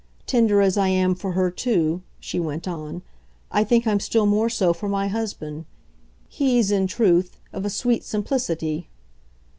Tender as I am for her too," she went on, "I think I'm still more so for my husband. HE'S in truth of a sweet simplicity